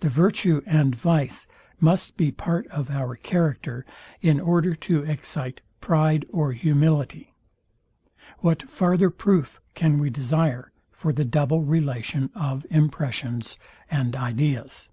The virtue and vice must be part of our character in order to excite pride or humility. What farther proof can we desire for the double relation of impressions and ideas?